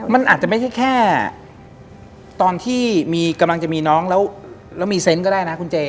มันอาจจะไม่ใช่แค่ตอนที่กำลังจะมีน้องแล้วมีเซนต์ก็ได้นะคุณเจ